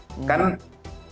aspirasi yang muncul